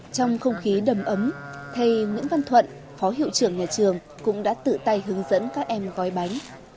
trong không khí đầm ấm thầy nguyễn văn thuận phó hiệu trưởng nhà trường cũng đã tự tay hướng dẫn các em gói bánh